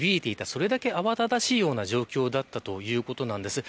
それだけ慌ただしい状況だったということです。